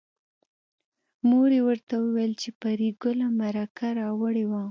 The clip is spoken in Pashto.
مور یې ورته وویل چې پري ګله مرکه راوړې وه